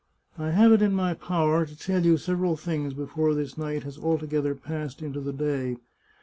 I have it in my power to tell you several things before this night has altogether passed into the day.